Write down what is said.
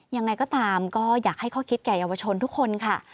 ยังไงก็ตามก็อยากให้ข้อคิดแก่เยาวชนทุกคนค่ะ